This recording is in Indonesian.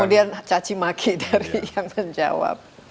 kemudian caci maki dari yang menjawab